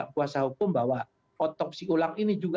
kuasa hukum bahwa otopsi ulang ini juga